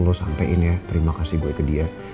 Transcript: lo sampein ya terima kasih gue ke dia